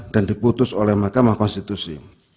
dan diputus oleh mahkamah konstitusi